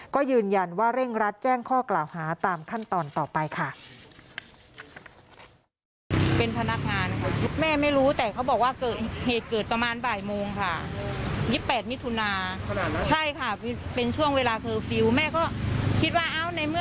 ก็ยืนยันว่าเร่งรัดแจ้งข้อกล่าวหาตามขั้นตอนต่อไปค่ะ